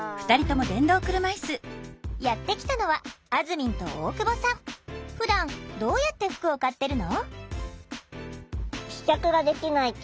やって来たのはふだんどうやって服を買ってるの？